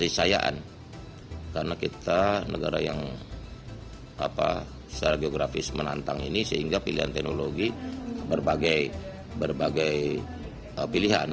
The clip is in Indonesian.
kepercayaan karena kita negara yang secara geografis menantang ini sehingga pilihan teknologi berbagai pilihan